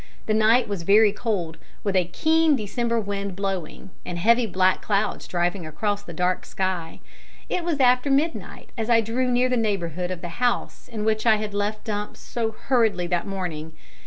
The night was very cold, with a keen December wind blowing, and heavy black clouds driving across the dark sky. It was after midnight as I drew near the neighbourhood of the house in which I had left Dumps so hurriedly that morning.